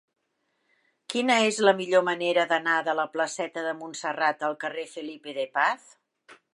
Quina és la millor manera d'anar de la placeta de Montserrat al carrer de Felipe de Paz?